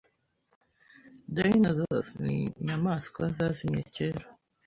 Dinosaurs ni inyamaswa zazimye kera .